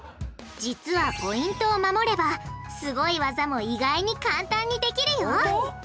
実はポイントを守ればすごい技も意外に簡単にできるよ！